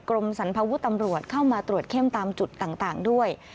กรมสรรพาวุฒิตำรวจเข้ามาตรวจเข้มตามจุดต่างด้วย